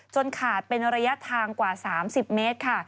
ขาดเป็นระยะทางกว่า๓๐เมตรค่ะ